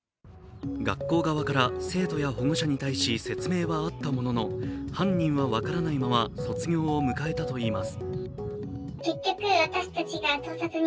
学校側から生徒や保護者に対し説明はあったものの犯人は分からないまま卒業を迎えたといいます。